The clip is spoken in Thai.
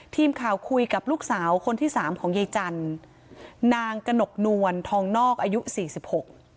ทีมข่าวคุยกับลูกสาวคนที่สามของยายจันทร์นางกระหนกนวลทองนอกอายุสี่สิบหก